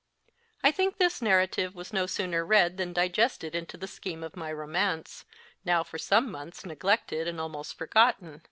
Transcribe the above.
I think this narrative was no sooner read than digested into the scheme of my romance, now for some months neglected and almost forgotten.